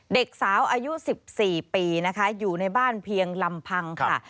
เด็กสาวอายุ๑๔ปีนะคะอยู่ในบ้านเพียงลำพังค่ะ